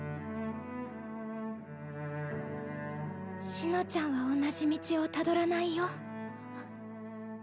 紫乃ちゃんは同じ道をたどらないよ。